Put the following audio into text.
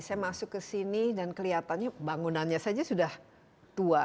saya masuk ke sini dan kelihatannya bangunannya saja sudah tua